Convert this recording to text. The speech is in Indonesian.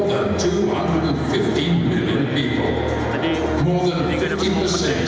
dengan lebih dari dua ratus lima puluh juta orang